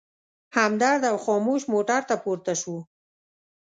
همدرد او خاموش موټر ته پورته شوو.